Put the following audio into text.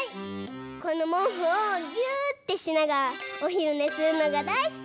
このもうふをぎゅってしながらおひるねするのがだいすき！